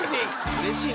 うれしいね。